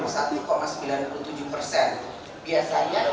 biasanya kalau ada yang berpikir ini ada ya